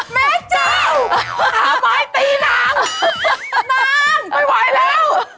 ไม่ไหวแล้ว